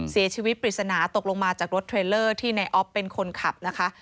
ปริศนาตกลงมาจากรถเทรลเลอร์ที่ในออฟเป็นคนขับนะคะ